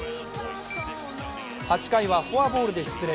８回はフォアボールで出塁。